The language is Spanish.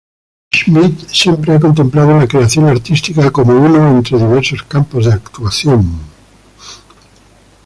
Schmidt siempre ha contemplado la creación artística como uno entre diversos campos de actuación.